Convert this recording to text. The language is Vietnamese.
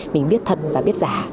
mình biết thật và biết giả